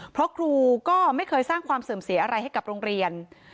เพราะครูก็ไม่เคยสร้างความเสื่อมเสียอะไรให้กับโรงเรียน